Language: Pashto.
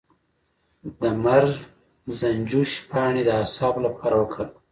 د مرزنجوش پاڼې د اعصابو لپاره وکاروئ